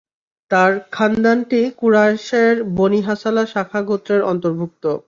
তাঁর খান্দানটি কুরায়শের বনী হাসালা শাখা গোত্রের অন্তর্ভুক্ত।